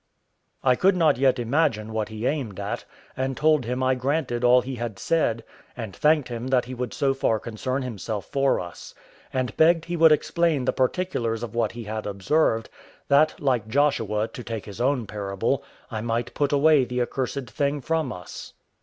I could not yet imagine what he aimed at, and told him I granted all he had said, and thanked him that he would so far concern himself for us: and begged he would explain the particulars of what he had observed, that like Joshua, to take his own parable, I might put away the accursed thing from us.